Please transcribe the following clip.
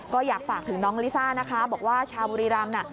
ก็อยากฝากถึงน้องลิซ่านะคะบอกว่าชาวบุรีรำน่ะ